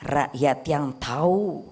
rakyat yang tahu